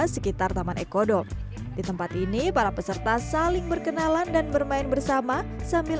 sekitar taman ekodok di tempat ini para peserta saling berkenalan dan bermain bersama sambil